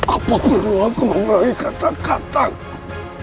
apa perlu aku mengulangi kata kataku